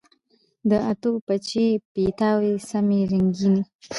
د اتو، بچي، پیتاو سیمي رنګیني